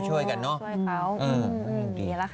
ช่วยกันเนาะ